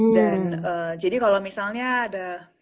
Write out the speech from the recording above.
dan jadi kalau misalnya ada